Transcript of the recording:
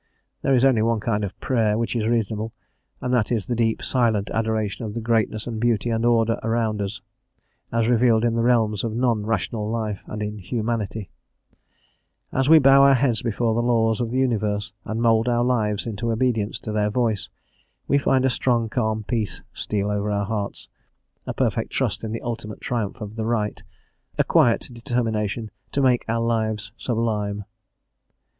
There is only one kind of "prayer" which is reasonable, and that is the deep, silent, adoration of the greatness and beauty and order around us, as revealed in the realms of non rational life and in Humanity; as we bow our heads before the laws of the universe and mould our lives into obedience to their voice, we find a strong, calm peace steal over our hearts, a perfect trust in the ultimate triumph of the right, a quiet determination to "make our lives sublime."